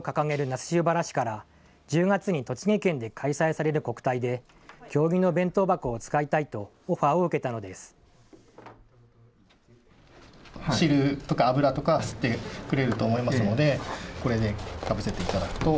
那須塩原市から、１０月に栃木県で開催される国体で、経木の弁当箱を使いたいとオファーを受けたのです。